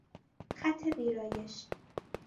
خط ویرایش